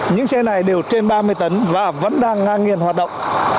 những xe này đều trên ba mươi tấn và vẫn đang ngang nghiền hoạt động